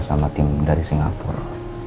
sama tim dari singapura